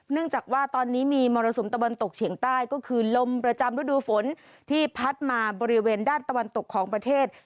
จากว่าตอนนี้มีมรสุมตะวันตกเฉียงใต้ก็คือลมประจำฤดูฝนที่พัดมาบริเวณด้านตะวันตกของประเทศ